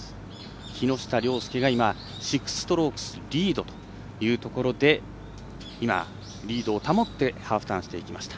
木下稜介が６ストロークリードということで今、リードを保ってハーフターンしてきました。